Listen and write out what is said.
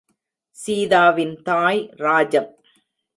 சீதாவின் தாய் ராஜம்.